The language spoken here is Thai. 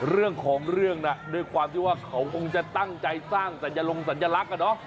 เรื่องของเรื่องน่ะด้วยความที่ว่าเขาคงจะตั้งใจสร้างสัญลงสัญลักษณ์อะเนาะ